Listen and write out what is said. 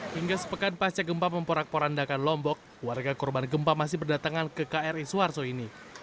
hingga sepekan pasca gempa memporak porandakan lombok warga korban gempa masih berdatangan ke kri suharto ini